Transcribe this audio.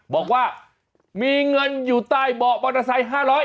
บอกว่ามีเงินอยู่ใต้เบาะมอเตอร์ไซค์๕๐๐บาท